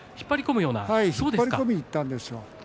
引っ張り込みにいったんですよ。